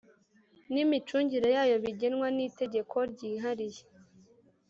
N imicungire yayo bigenwa n itegeko ryihariye